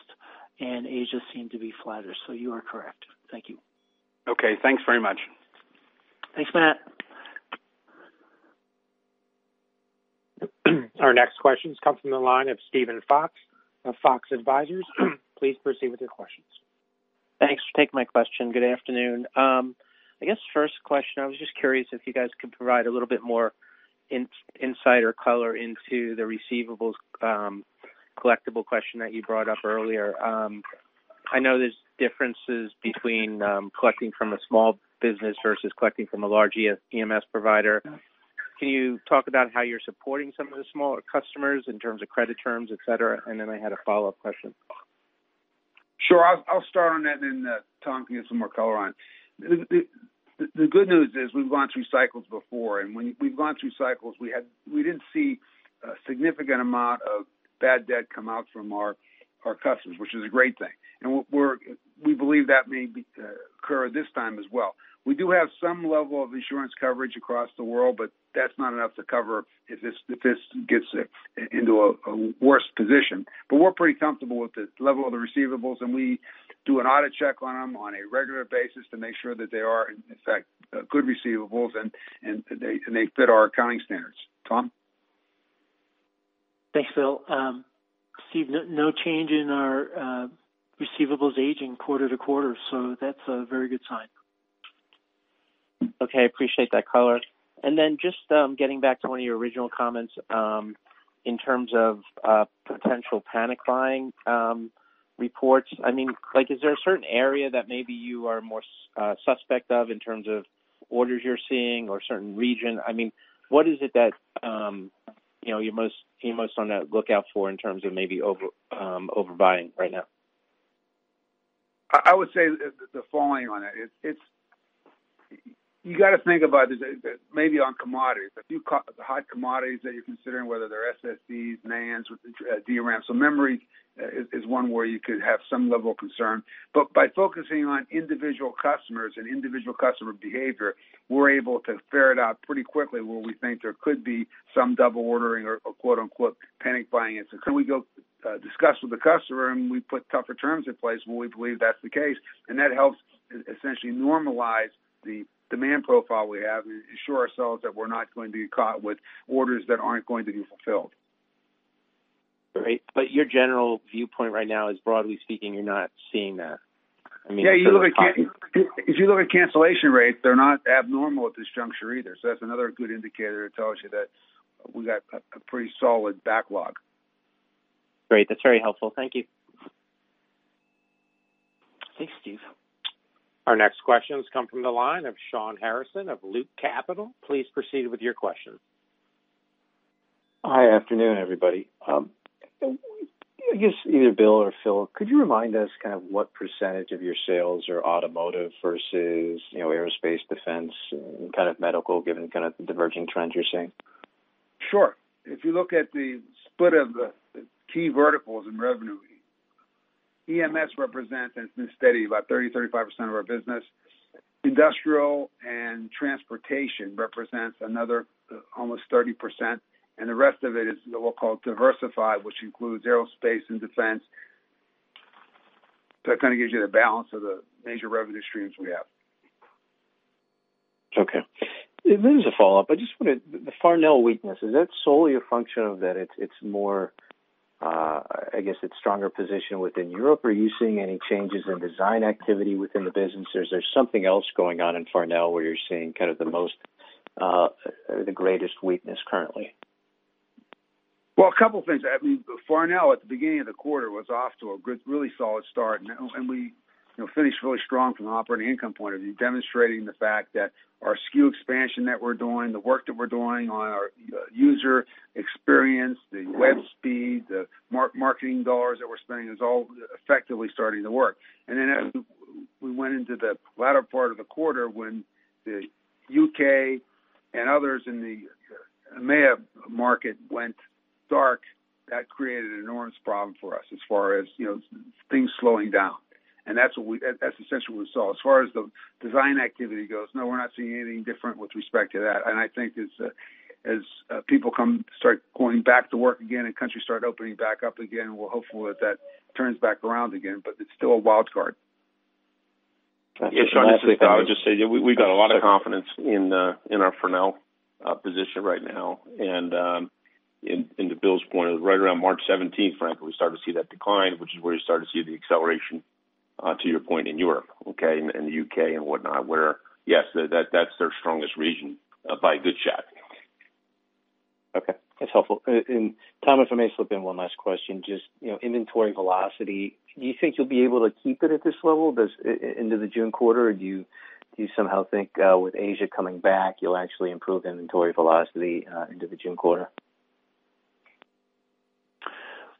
and Asia seemed to be flatter. You are correct. Thank you. Okay. Thanks very much. Thanks, Matt. Our next question comes from the line of Steven Fox of Fox Advisors. Please proceed with your questions. Thanks for taking my question. Good afternoon. I guess first question, I was just curious if you guys could provide a little bit more insight or color into the receivables collectible question that you brought up earlier. I know there's differences between collecting from a small business versus collecting from a large EMS provider. Can you talk about how you're supporting some of the smaller customers in terms of credit terms, et cetera? I had a follow-up question. Sure. I'll start on that and then Tom can give some more color on it. The good news is we've gone through cycles before, and when we've gone through cycles, we didn't see a significant amount of bad debt come out from our customers, which is a great thing. We believe that may occur this time as well. We do have some level of insurance coverage across the world, but that's not enough to cover if this gets into a worse position. We're pretty comfortable with the level of the receivables, and we do an audit check on them on a regular basis to make sure that they are, in fact, good receivables and they fit our accounting standards. Tom? Thanks, Bill. Steve, no change in our receivables aging quarter-to-quarter, so that's a very good sign. Okay. I appreciate that color. Then just getting back to one of your original comments, in terms of potential panic buying reports. Is there a certain area that maybe you are more suspect of in terms of orders you're seeing or certain region? What is it that you're most on the lookout for in terms of maybe overbuying right now? I would say the following on it. You got to think about this, maybe on commodities. A few hot commodities that you're considering, whether they're SSDs, NANDs, DRAM. Memory is one where you could have some level of concern. By focusing on individual customers and individual customer behavior, we're able to ferret out pretty quickly where we think there could be some double ordering or quote unquote, "panic buying." Then we go discuss with the customer, and we put tougher terms in place when we believe that's the case, and that helps essentially normalize the demand profile we have and assure ourselves that we're not going to be caught with orders that aren't going to be fulfilled. Great. Your general viewpoint right now is, broadly speaking, you're not seeing that. Yeah. If you look at cancellation rates, they're not abnormal at this juncture either. That's another good indicator that tells you that we got a pretty solid backlog. Great. That's very helpful. Thank you. Thanks, Steve. Our next questions come from the line of Shawn Harrison of Loop Capital. Please proceed with your questions. Hi. Afternoon, everybody. I guess either Bill or Phil, could you remind us kind of what percentage of your sales are automotive versus aerospace, defense, and kind of medical, given kind of the diverging trends you're seeing? Sure. If you look at the split of the key verticals in revenue, EMS represents, and it's been steady, about 30%, 35% of our business. Industrial and transportation represents another almost 30%, and the rest of it is what we call diversified, which includes aerospace and defense. That kind of gives you the balance of the major revenue streams we have. Okay. This is a follow-up. The Farnell weakness, is that solely a function of that it's more, I guess, it's stronger position within Europe? Are you seeing any changes in design activity within the business, or is there something else going on in Farnell where you're seeing kind of the greatest weakness currently? Well, a couple things. Farnell, at the beginning of the quarter, was off to a really solid start. We finished really strong from an operating income point of view, demonstrating the fact that our SKU expansion that we're doing, the work that we're doing on our user experience, the web speed, the marketing dollars that we're spending, is all effectively starting to work. As we went into the latter part of the quarter when the U.K. and others in the EMEA market went dark, that created an enormous problem for us as far as things slowing down. That's essentially what we saw. As far as the design activity goes, no, we're not seeing anything different with respect to that. I think as people start going back to work again and countries start opening back up again, we're hopeful that that turns back around again, but it's still a wild card. Shawn, this is Tom. I would just say we got a lot of confidence in our Farnell position right now, and to Bill's point, right around March 17th, frankly, we started to see that decline, which is where you started to see the acceleration, to your point, in Europe. Okay. In the U.K. and whatnot, where, yes, that's their strongest region by a good shot. Okay. That's helpful. Tom, if I may slip in one last question, just inventory velocity. Do you think you'll be able to keep it at this level into the June quarter? Or do you somehow think, with Asia coming back, you'll actually improve inventory velocity into the June quarter?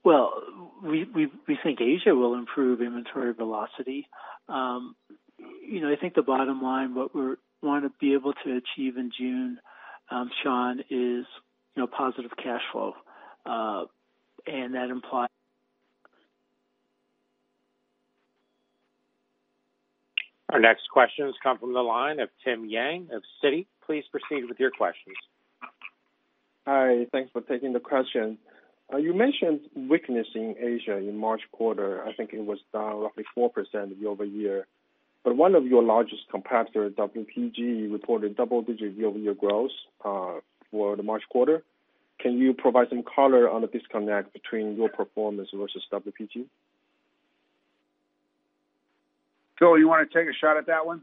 Well, we think Asia will improve inventory velocity. I think the bottom line, what we want to be able to achieve in June, Shawn, is positive cash flow. Our next questions come from the line of Tim Yang of Citi. Please proceed with your questions. Hi. Thanks for taking the question. You mentioned weakness in Asia in March quarter. I think it was down roughly 4% year-over-year. But one of your largest competitors, WPG, reported double-digit year-over-year growth for the March quarter. Can you provide some color on the disconnect between your performance versus WPG? Phil, you want to take a shot at that one?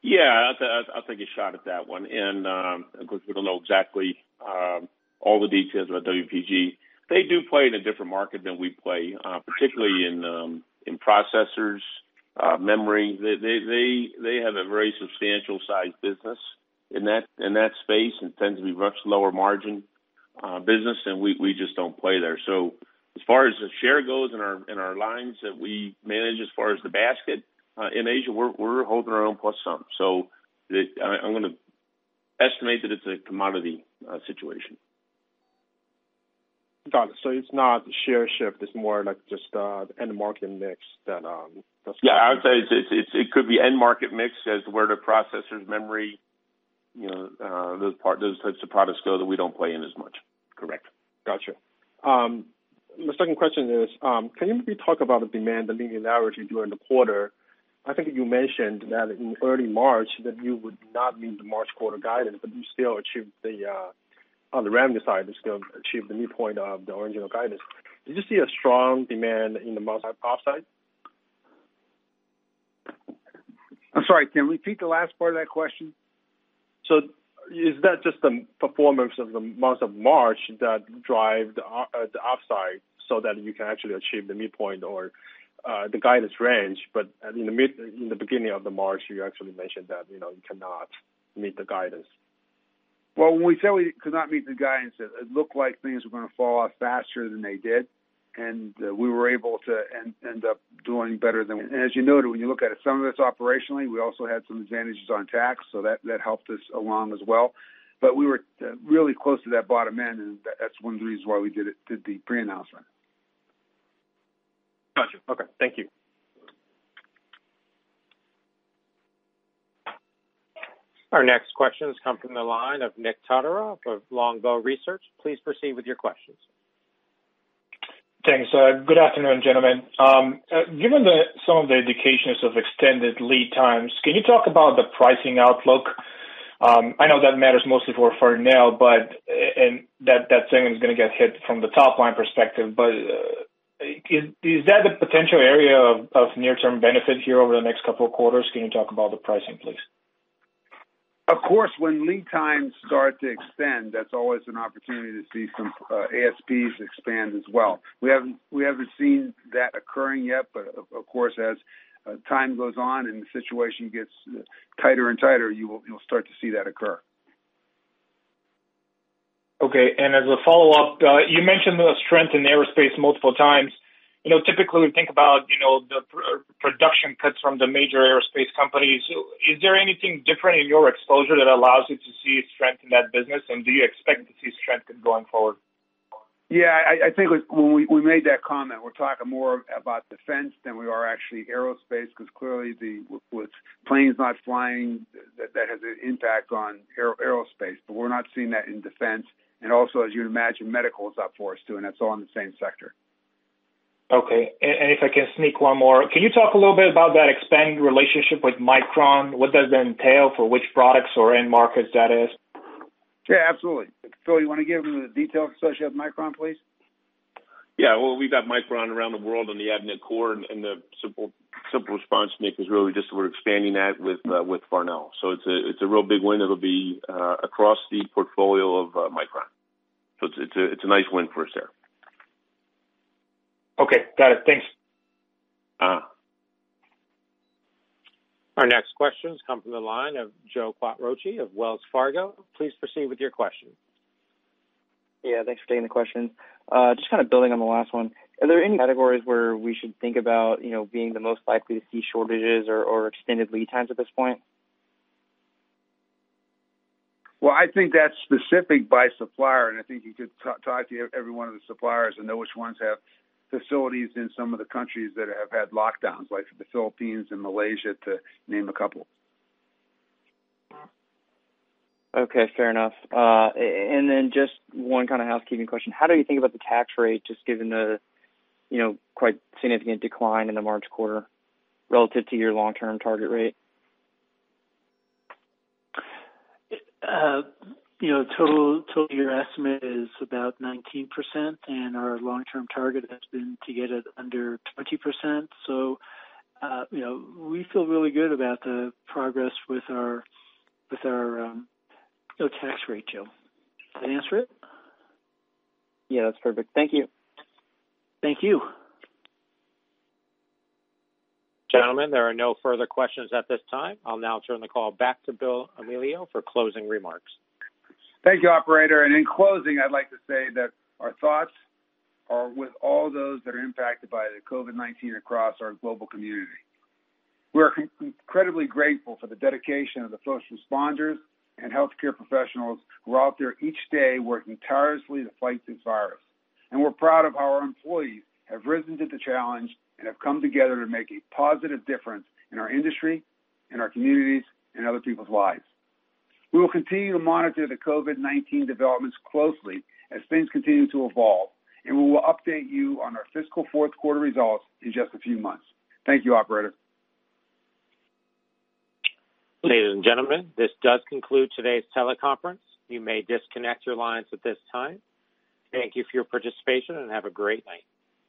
Yeah. I'll take a shot at that one. Of course, we don't know exactly all the details about WPG. They do play in a different market than we play, particularly in processors, memory. They have a very substantial size business in that space and tends to be much lower margin business, and we just don't play there. As far as the share goes in our lines that we manage as far as the basket in Asia, we're holding our own plus some. I'm going to estimate that it's a commodity situation. Got it. It's not share shift, it's more like just the end market mix that. Yeah. I would say it could be end market mix as to where the processors, memory, those types of products go that we don't play in as much. Correct. Got you. The second question is, can you maybe talk about the demand, the linearity during the quarter? I think you mentioned that in early March that you would not meet the March quarter guidance, but you still achieved, on the revenue side, you still achieved the midpoint of the original guidance. Did you see a strong demand in the multi- I'm sorry, can you repeat the last part of that question? Is that just the performance of the month of March that drive the upside so that you can actually achieve the midpoint or the guidance range, but in the beginning of March, you actually mentioned that you cannot meet the guidance? When we say we could not meet the guidance, it looked like things were going to fall off faster than they did, and we were able to end up doing better than-- and as you noted, when you look at it, some of it's operationally. We also had some advantages on tax, so that helped us along as well. We were really close to that bottom end. That's one of the reasons why we did the pre-announcement. Got you. Okay. Thank you. Our next questions come from the line of Nikolay Todorov of Longbow Research. Please proceed with your questions. Thanks. Good afternoon, gentlemen. Given some of the indications of extended lead times, can you talk about the pricing outlook? I know that matters mostly for Farnell, and that segment is going to get hit from the top-line perspective, is that a potential area of near-term benefit here over the next couple of quarters? Can you talk about the pricing, please? Of course, when lead times start to extend, that's always an opportunity to see some ASPs expand as well. We haven't seen that occurring yet, but of course, as time goes on and the situation gets tighter and tighter, you'll start to see that occur. Okay. As a follow-up, you mentioned the strength in aerospace multiple times. Typically, we think about the production cuts from the major aerospace companies. Is there anything different in your exposure that allows you to see strength in that business? Do you expect to see strength going forward? I think when we made that comment, we're talking more about defense than we are actually aerospace, because clearly with planes not flying, that has an impact on aerospace. We're not seeing that in defense, also, as you'd imagine, medical is up for us, too, and that's all in the same sector. Okay. If I can sneak one more. Can you talk a little bit about that expanding relationship with Micron? What does that entail? For which products or end markets, that is? Yeah, absolutely. Phil, you want to give him the detail associated with Micron, please? Well, we've got Micron around the world on the Avnet core, the simple response, Nick, is really just we're expanding that with Farnell. It's a real big win. It'll be across the portfolio of Micron. It's a nice win for us there. Okay. Got it. Thanks. Our next questions come from the line of Joe Quatrochi of Wells Fargo. Please proceed with your question. Yeah, thanks for taking the question. Just kind of building on the last one, are there any categories where we should think about being the most likely to see shortages or extended lead times at this point? Well, I think that's specific by supplier, and I think you could talk to every one of the suppliers and know which ones have facilities in some of the countries that have had lockdowns, like the Philippines and Malaysia, to name a couple. Okay, fair enough. Just one kind of housekeeping question. How do you think about the tax rate, just given the quite significant decline in the March quarter relative to your long-term target rate? Total year estimate is about 19%, and our long-term target has been to get it under 20%. We feel really good about the progress with our tax rate, Joe. Does that answer it? Yeah, that's perfect. Thank you. Thank you. Gentlemen, there are no further questions at this time. I'll now turn the call back to Bill Amelio for closing remarks. Thank you, operator. In closing, I'd like to say that our thoughts are with all those that are impacted by the COVID-19 across our global community. We're incredibly grateful for the dedication of the first responders and healthcare professionals who are out there each day working tirelessly to fight this virus. We're proud of how our employees have risen to the challenge and have come together to make a positive difference in our industry, in our communities, and other people's lives. We will continue to monitor the COVID-19 developments closely as things continue to evolve, and we will update you on our fiscal fourth quarter results in just a few months. Thank you, operator. Ladies and gentlemen, this does conclude today's teleconference. You may disconnect your lines at this time. Thank you for your participation, and have a great night.